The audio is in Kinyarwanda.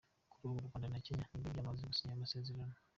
Kuri ubu u Rwanda na Kenya nibyo byamaze gusinya ayo masezerano.